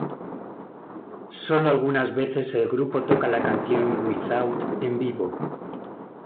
Sólo algunas veces el grupo toca la canción "Without" en vivo.